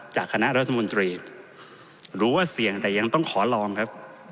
จากคณะรัฐมนตรีรู้ว่าเสี่ยงแต่ยังต้องขอลองครับ